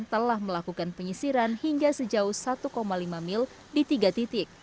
telah melakukan penyisiran hingga sejauh satu lima mil di tiga titik